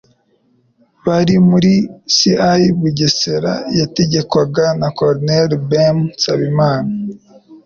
bari muri CI Bugesera yategekwaga na Colonel BEM Nsabimana.